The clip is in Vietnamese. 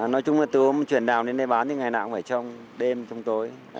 nói chung là từ hôm chuyển đào đến đây bán thì ngày nào cũng phải trong đêm trong tối